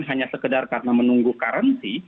hanya sekedar karena menunggu currency